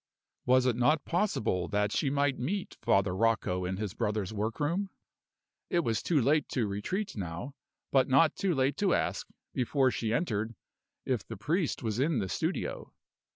Was it not possible that she might meet Father Rocco in his brother's work room? It was too late to retreat now, but not too late to ask, before she entered, if the priest was in the studio.